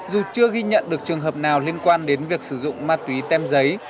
dù chưa ghi nhận được trường hợp nào liên quan đến việc sử dụng ma túy tem giấy